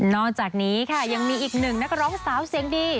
นอกจากนี้ค่ะยังมีอีกหนึ่งนักร้องสาวเสียงดี